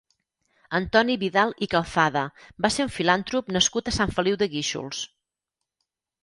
Antoni Vidal i Calzada va ser un filàntrop nascut a Sant Feliu de Guíxols.